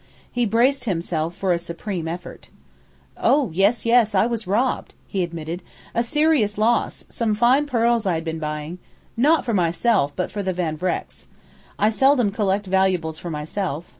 He braced himself for a supreme effort. "Oh, yes, yes, I was robbed," he admitted. "A serious loss! Some fine pearls I had been buying not for myself, but for the Van Vrecks. I seldom collect valuables for myself.